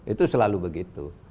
itu selalu begitu